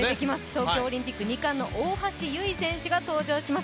東京オリンピック２冠の大橋悠依選手が登場します。